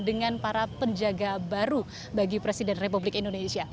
dengan para penjaga baru bagi presiden republik indonesia